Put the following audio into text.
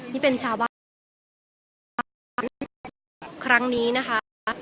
ที่เป็นชาวบ้านนะคะครั้งนี้นะคะ